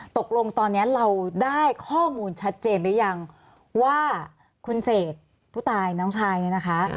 ตกลงตอนนี้เราได้ข้อมูลชัดเจนหรือยังว่าคุณเสกผู้ตายน้องชายเนี่ยนะคะ